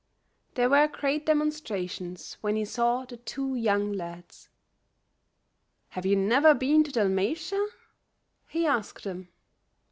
There were great demonstrations when he saw the two young lads. "Have you never been to Dalmatia?" he asked them.